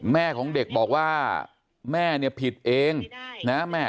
แม่ของเด็กบอกว่าแม่เนี่ยผิดเองนะแม่